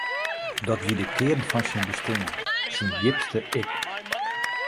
Dat wie de kearn fan syn bestean, syn djipste ik.